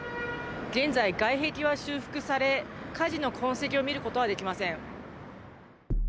現在、外壁は修復され火事の痕跡を見ることはできません。